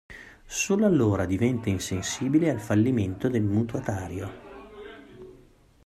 Solo allora diventa insensibile al fallimento del mutuatario.